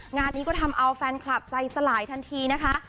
งานนี้ก็ทำเอาแฟนคลับใจสลายทันทีนะคะ